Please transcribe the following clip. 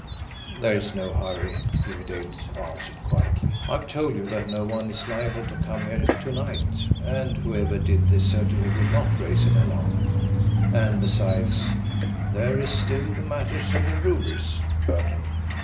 "There is no hurry," Jimmie Dale answered quietly. "I have told you that no one is liable to come here to night and whoever did this certainly will not raise an alarm. And besides, there is still the matter of the rubies Burton."